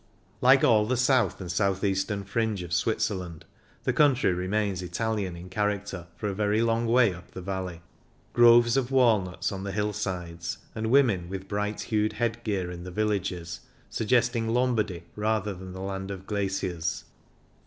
Like all the south and south eastern fringe of Switzerland, the country remains Italian in character for a long way up the valley : groves of walnuts on the hillsides, and women with bright hued head gear in the villages suggesting Lombardy rather than the land of glaciers.